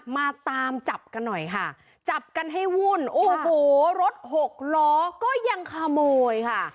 มาตามจับกันหน่อยค่ะจับกันให้วุ่นโอ้โหรถหกล้อก็ยังขโมยค่ะ